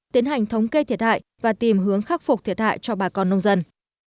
tiến hành thống kê thiệt hại và tìm hướng khắc phục thiệt hại cho bà con nông dân